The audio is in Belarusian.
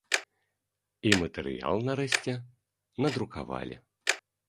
І матэрыял нарэшце надрукавалі.